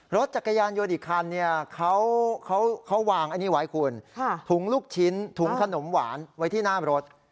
รถจักรยานยนต์อีกคันเนี่ยเขาวางอันนี้ไว้คุณถุงลูกชิ้นถุงขนมหวานไว้ที่หน้ารถ